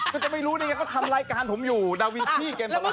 ถ้าจะไม่รู้เนี่ยก็ทำรายการผมอยู่ดาวิทย์พี่เก็มสำหรับ